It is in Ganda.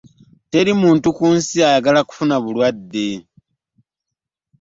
Teri muntu ku nsi ayagala kufuna bulwadde.